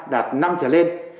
đạt năm trở lên